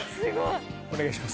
お願いします。